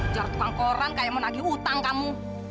jatuh orang kayak menagih utang kamu